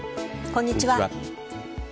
こんにちは。